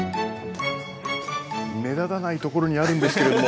目立たないところにあるんですけれども。